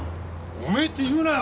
おめえって言うなよ